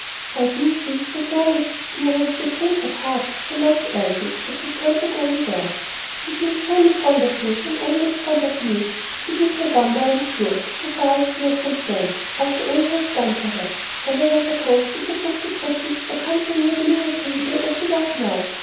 "I do think that girl has experienced a change of heart," remarked Elsie, as they turned to go in doors. "She seems really fond of you, and almost fond of me. It is no wonder, I am sure, so far as you are concerned, after all you have done for her. I never supposed she could look so pretty or come so near being agreeable as she does now.